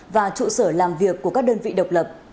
và trụ sở làm việc của các đơn vị độc lập